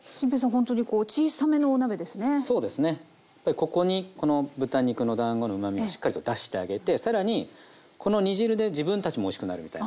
ここにこの豚肉のだんごのうまみをしっかりと出してあげて更にこの煮汁で自分たちもおいしくなるみたいな。